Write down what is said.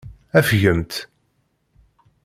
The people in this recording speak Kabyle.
Afgemt.